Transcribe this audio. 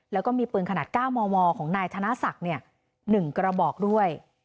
แล้วก็มีปืนขนาด๙มมของนายธนศักดิ์๑กระบอกด้วย